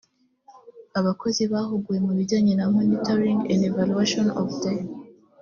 abakozi bahuguwe mu bijyanye na monitoring and evaluation of the